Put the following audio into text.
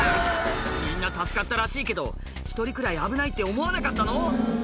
みんな助かったらしいけど１人くらい危ないって思わなかったの？